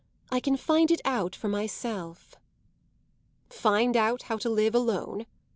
I can find it out for myself." "Find out how to live alone?